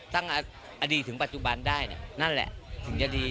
ตั้งแต่อดีตถึงปัจจุบันได้นั่นแหละถึงจะดี